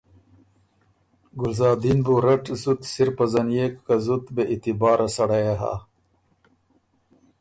ګلزادین بُو رټ زُت سِر پزنيېک که زُت بې اعتباره سړئ يې هۀ